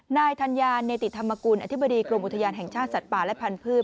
นายธัญญาเนติธรรมกุลอธิบดีกรมอุทยานแห่งชาติสัตว์ป่าและพันธุ์